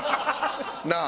なあ？